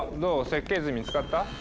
設計図見つかった？